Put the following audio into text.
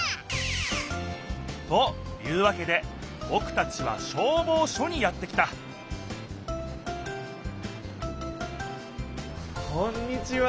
お！というわけでぼくたちは消防署にやって来たこんにちは！